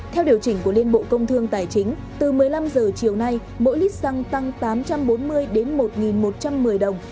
theo điều chỉnh của liên bộ công thương tài chính từ một mươi năm giờ chiều nay mỗi lít xăng tăng tám trăm bốn mươi đến một một trăm một mươi đồng